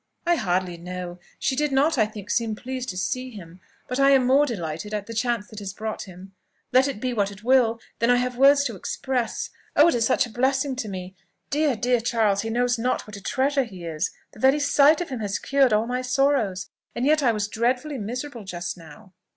"I hardly know. She did not, I think, seem pleased to see him: but I am more delighted at the chance that has brought him, let it be what it will, than I have words to express. Oh! it is such a blessing to me! dear, dear, Charles! he knows not what a treasure he is. The very sight of him has cured all my sorrows and yet I was dreadfully miserable just now."